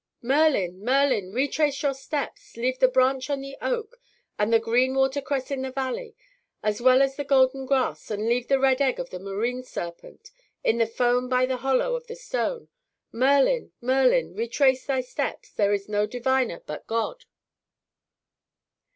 Merlin! Merlin! retrace your steps; Leave the branch on the oak, And the green water cress in the valley, As well as the golden grass; And leave the red egg of the marine serpent In the foam by the hollow of the stone. Merlin! Merlin! retrace thy steps; There is no diviner but God.